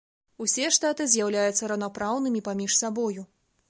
Усе штаты з'яўляюцца раўнапраўнымі паміж сабою.